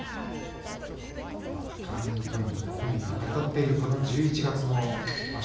ターニングポイントと本人が語っているこの十一月場所。